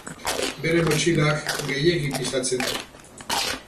Bere motxilak gehiegi pisatzen du.